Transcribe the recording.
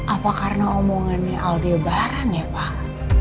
apa karena omongannya aldebaran ya pak